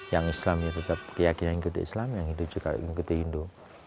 yang islam tetap keyakinan ikuti islam yang hindu juga ikuti hindu